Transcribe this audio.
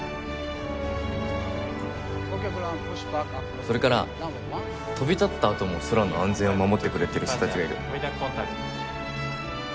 それから飛び立ったあとも空の安全を守ってくれてる人たちがいる。